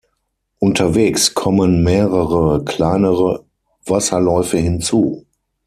Unterwegs kommen mehrere kleinere Wasserläufe hinzu.